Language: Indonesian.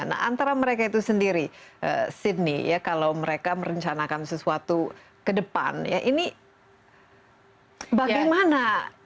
nah antara mereka itu sendiri sydney ya kalau mereka merencanakan sesuatu ke depan ya ini bagaimana